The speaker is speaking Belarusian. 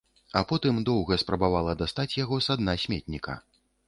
А потым доўга спрабавала дастаць яго са дна сметніка.